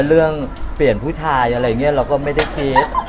เรื่องเปลี่ยนผู้ชายอะไรอย่างนี้เราก็ไม่ได้คิด